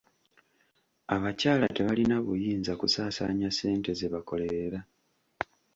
Abakyala tebalina buyinza kusaasaanya ssente ze bakolerera.